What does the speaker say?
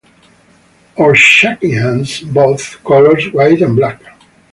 Or shaking hands - both colors, white and black.